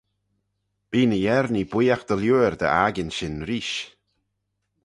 Bee ny Yernee booiagh dy liooar dy akin shin reesht.